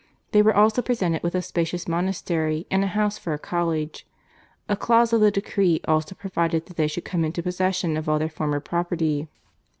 They were also presented with a spacious monastery and a house for a college. A clause of the decree also provided that they should come into possession of all their former property.